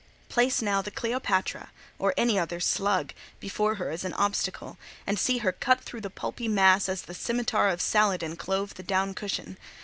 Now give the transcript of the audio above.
Place now the Cleopatra, or any other slug, before her as an obstacle, and see her cut through the pulpy mass as the scimitar of Saladin clove the down cushion.